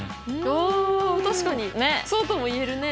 あ確かにそうとも言えるね。